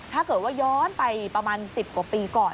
ถ้าเกิดว่าย้อนไปประมาณ๑๐กว่าปีก่อน